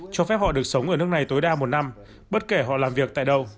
cho phép họ được sống ở nước này tối đa một năm bất kể họ làm việc tại đâu